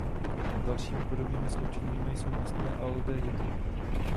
Dalšími podobnými sloučeninami jsou mastné aldehydy.